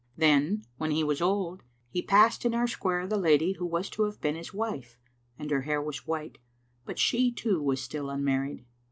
Then, when he was old, he passed in our square the lady who was to have been his wife, and her hair was white, but she, too, was still unmar ried.